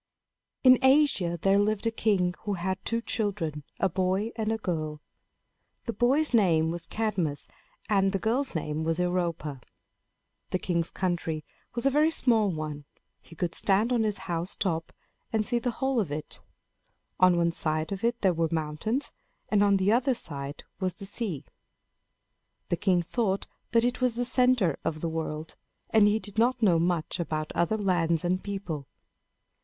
In Asia there lived a king who had two children, a boy and a girl. The boy's name was Cadmus, and the girl's name was Europa. The king's country was a very small one. He could stand on his house top and see the whole of it. On one side of it there were mountains, and on the other side was the sea. The king thought that it was the center of the world, and he did not know much about other lands and people.